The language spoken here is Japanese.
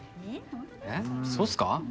えっそうっすか？